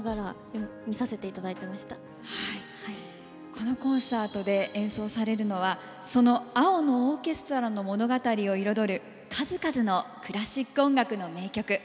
このコンサートで演奏されるのはその「青のオーケストラ」の物語を彩る数々のクラシック音楽の名曲。